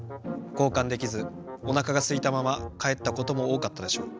こうかんできずおなかがすいたままかえったこともおおかったでしょう。